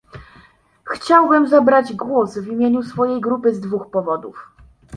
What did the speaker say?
Chciałbym zabrać głos w imieniu swojej grupy z dwóch powodów